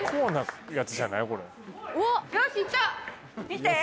見て！